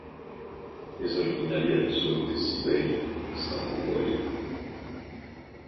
Es originaria del sur de Siberia hasta Mongolia.